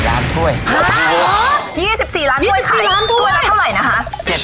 ๒๔ล้านถ้วยแล้วเท่าไหร่